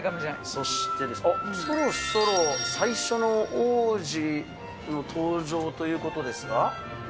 そして、そろそろ最初の王子の登場ということですか。